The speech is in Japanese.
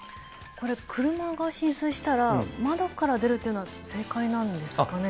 これ、車が浸水したら、窓から出るというのは正解なんですかね？